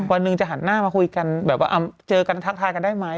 วันหนึ่งจะหันหน้ามาคุยกันแบบว่าเจอกันทักทายกันได้ไหม